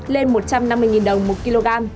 lên một trăm năm mươi đồng một kg